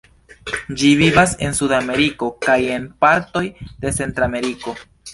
Ĝi vivas en Sudameriko, kaj en partoj de Centrameriko.